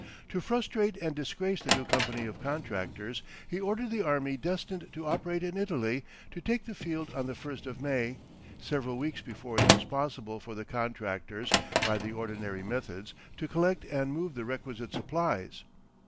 To frustrate and disgrace the new company of contractors, he ordered the army destined to operate in Italy to take the field on the first of May, several weeks before it was possible for the contractors by the ordinary methods to collect and move the requisite supplies.